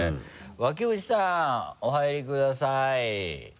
脇淵さんお入りください。